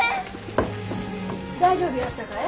大丈夫やったかえ？